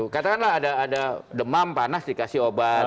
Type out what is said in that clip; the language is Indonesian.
katakanlah ada demam panas dikasih obat